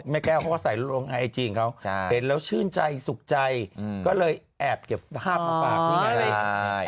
แม่แก้วเขาใส่ลงไอจีนเขาเห็นแล้วชื่นใจสุขใจก็เลยแอบเก็บภาพมาฝาก